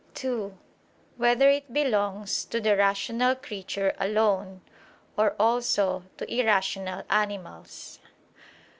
(2) Whether it belongs to the rational creature alone, or also to irrational animals?